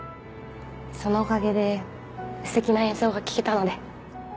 そのおかげでステキな演奏が聴けたので。